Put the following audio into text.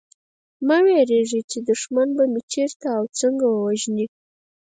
مه وېرېږی چي دښمن به مي چېرته او څنګه ووژني